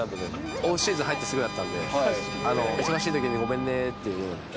オフシーズン入ってすぐだったんで、忙しいときにごめんねって。